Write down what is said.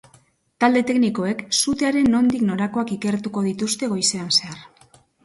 Talde teknikoek sutearen nondik norakoak ikertuko dituzte goizean zehar.